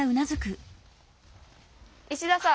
石田さん